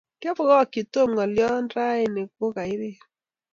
kiabongokchi Tomngolion rauni ko kairir